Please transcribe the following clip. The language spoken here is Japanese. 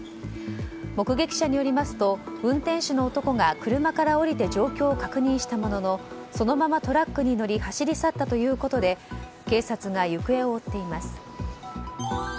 目撃者によりますと運転手の男が車から降りて状況を確認したもののそのままトラックに乗り走り去ったということで警察が行方を追っています。